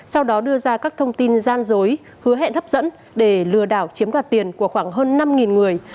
sau đó đưa ra các thông tin gian dối hứa hẹn hấp dẫn để lừa đảo chiếm đoạt tiền của khoảng hơn năm người